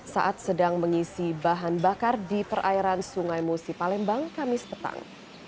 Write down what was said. saat sedang mengisi bahan bakar di perairan sungai musi palembang kamis petang